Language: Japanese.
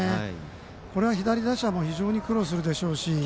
これは左打者も苦労するでしょうし。